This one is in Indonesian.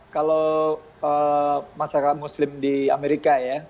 kalau masyarakat muslim di amerika ya